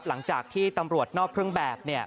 หลังจากที่ตำรวจนอกเครื่องแบบ